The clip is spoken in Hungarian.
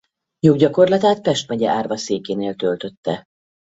Joggyakorlatát Pest megye árvaszékénél töltötte.